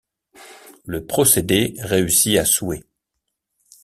Le procédé réussit à souhait.